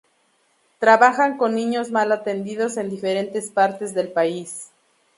Trabajan con niños mal atendidos en diferentes partes del país.